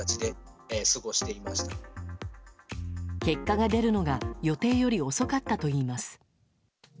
結果が出るのが予定より遅かったといいます。